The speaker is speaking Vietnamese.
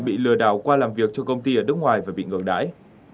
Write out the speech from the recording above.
bị lừa đảo qua làm việc cho công ty ở nước ngoài và bị ngược đãi